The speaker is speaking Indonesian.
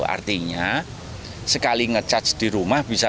artinya sekali nge charge di rumah bisa